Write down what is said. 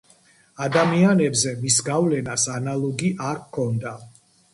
ადამიანებზე მის გავლენას ანალოგი არ ჰქონდა.